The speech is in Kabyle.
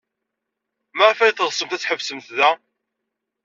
Maɣef ay teɣsem ad tḥebsem da?